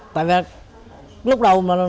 tại vì lúc đầu mà